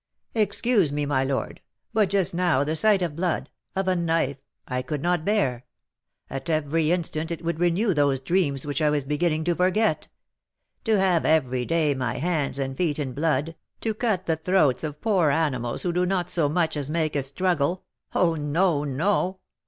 "Excuse me, my lord; but just now the sight of blood of a knife I could not bear; at every instant it would renew those dreams which I was beginning to forget. To have every day my hands and feet in blood, to cut the throats of poor animals who do not so much as make a struggle oh, no, no!